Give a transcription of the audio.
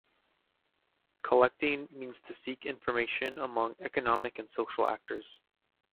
"Collecting" means to seek information among economic and social actors.